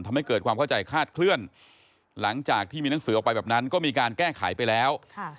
ทำให้เกิดความเข้าใจคาดเคลื่อนหลังจากที่มีหนังสือออกไปแบบนั้นก็มีการแก้ไขไปแล้ว